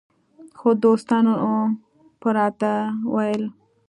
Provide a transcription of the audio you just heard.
خو دوستانو به راته ویل